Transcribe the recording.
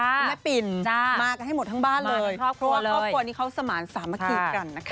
คุณแม่ปิ่นมากันให้หมดทั้งบ้านเลยเพราะว่าครอบครัวนี้เขาสมานสามัคคีกันนะคะ